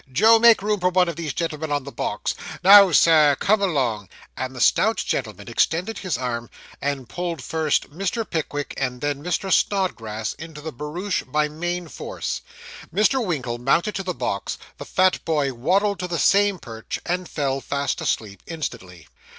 Joe, make room for one of these gentlemen on the box. Now, Sir, come along;' and the stout gentleman extended his arm, and pulled first Mr. Pickwick, and then Mr. Snodgrass, into the barouche by main force. Mr. Winkle mounted to the box, the fat boy waddled to the same perch, and fell fast asleep instantly.